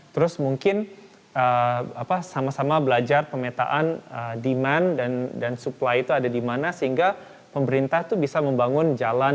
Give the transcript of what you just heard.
terus mungkin sama sama belajar pemetaan demand dan supply itu ada di mana sehingga pemerintah itu bisa membangun jalan